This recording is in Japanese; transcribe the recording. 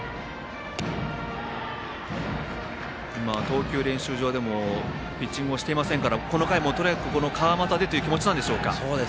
投球練習場でもピッチングをしてませんからこの回も川又でという気持ちなんでしょうか。